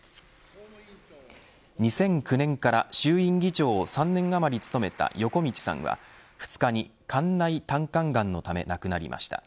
２００９年から衆院議長を３年余り務めた横路さんは、２日に肝内胆管がんのため亡くなりました。